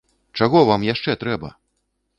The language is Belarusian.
Чаго вам яшчэ трэба?